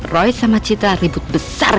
roy sama citra ribut besar